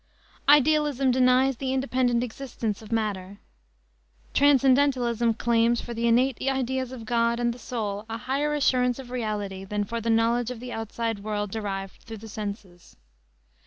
Idealism denies the independent existence of matter. Transcendentalism claims for the innate ideas of God and the soul a higher assurance of reality than for the knowledge of the outside world derived through the senses.